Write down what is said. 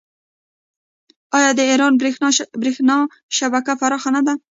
آیا د ایران بریښنا شبکه پراخه نه ده؟